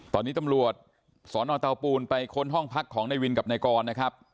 ตอนนี้ตำรวจสนเตาปูนไปค้นห้องพักของนายวินกับนายกรนะครับ